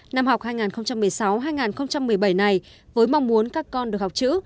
năm học hai nghìn một mươi sáu hai nghìn một mươi bảy này với mong muốn các con được học chữ